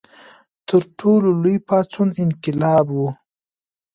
تر ټولو لوی پاڅون انقلاب و.